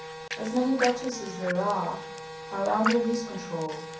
As many doctors as there are, are under his control.